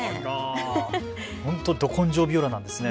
本当ど根性ビオラなんですね。